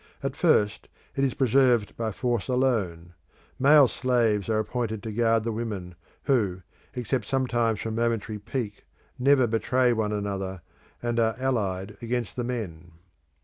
At first it is preserved by force alone. Male slaves are appointed to guard the women who, except sometimes from momentary pique, never betray one another, and are allied against the men.